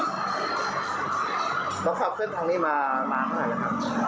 เขาขับเส้นทางนี้มาหมาเท่านั้นหรือครับ